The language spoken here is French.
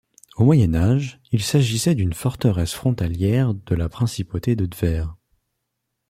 Au Moyen Âge, il s'agissait d'une forteresse frontalière de la principauté de Tver.